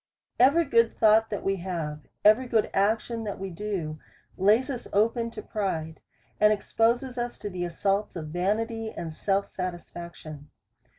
Every good thought that we have, every good ac tion that we do, lays us open to pride, and exposes us to the assaults of vanity and self satisfaction.